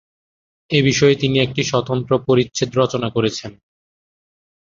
এ বিষয়ে তিনি একটি স্বতন্ত্র পরিচ্ছেদ রচনা করেছেন।